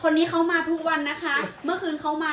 คนนี้เขามาทุกวันนะคะเมื่อคืนเขามา